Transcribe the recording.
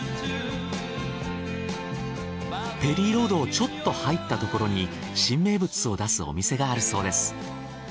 ペリーロードをちょっと入ったところに新名物を出すお店があるそうです。